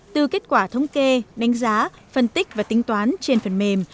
từ kết quả thống kê đánh giá phân tích và tính toán trên phần mềm